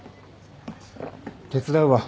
手伝うわ。